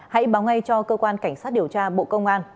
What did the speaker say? hãy báo ngay cho cơ quan cảnh sát điều tra bộ công an